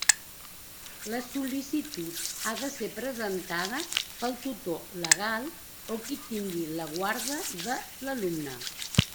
La sol·licitud ha de ser presentada pel tutor legal o qui tingui la guarda de l'alumne.